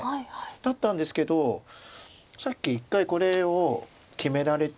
だったんですけどさっき１回これを決められて。